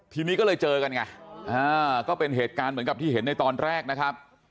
ทีนี้ก็เลยเจอกันไงก็เป็นเหตุการณ์เหมือนกับที่เห็นในตอนแรกนะครับ